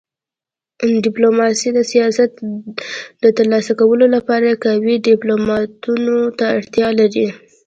ډيپلوماسي د سیاست د تر لاسه کولو لپاره قوي ډيپلوماتانو ته اړتیا لري.